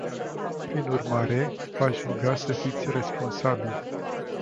Prin urmare, v-aș ruga să fiți responsabili.